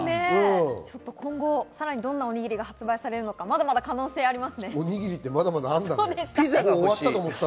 今後さらにどんなおにぎりが発売されるのか可能性がありますね。